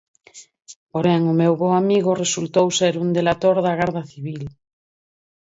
Porén, o meu bo amigo resultou ser un delator da garda civil.